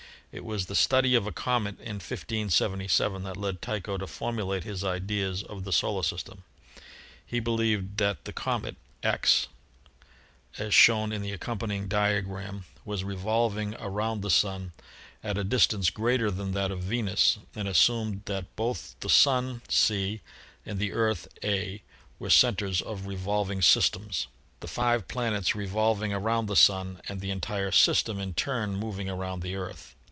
It was the study of a comet in 1577 that led Tycho to formulate his ideas of the solar system. He believed that the comet (X) as shown in the accompanying diagram was revolving around 74 ASTRONOMY the Sun at a distance greater than that of Venus and as sumed that both the Sun (C) and the Earth (A) were centers of revolving systems, the five planets revolving around the Sun and the entire system in turn moving around the Earth.